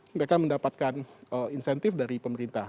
mereka mendapatkan insentif dari pemerintah